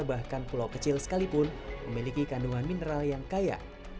bahkan pulau kecil sekalipun memiliki kandungan mineral yang kaya